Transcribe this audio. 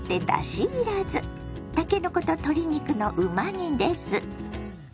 たけのこと鶏肉のうま煮です。